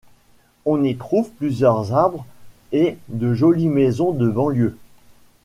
On y trouve plusieurs arbres et de jolies maisons de banlieue.